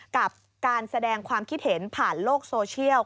กับการแสดงความคิดเห็นผ่านโลกโซเชียล